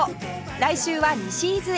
来週は西伊豆へ